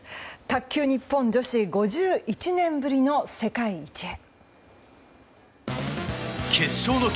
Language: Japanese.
卓球日本女子５１年ぶりの世界一へ。